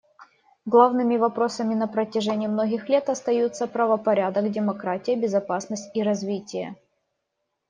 Главными вопросами на протяжении многих лет остаются правопорядок, демократия, безопасность и развитие.